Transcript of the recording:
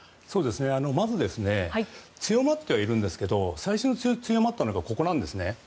まず強まってはいるんですけども最初に強まったのがここなんです。